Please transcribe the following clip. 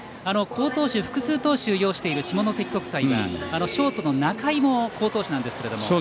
好投手、複数投手擁している下関国際はショートの仲井も好投手ですが。